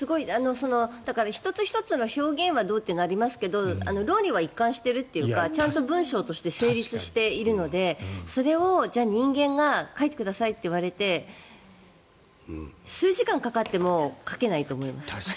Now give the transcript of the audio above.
１つ１つの表現がどうというのはありますが論理は一貫しているというかちゃんと文章として成立しているのでそれを人間が書いてくださいと言われて数時間かかっても書けないと思います。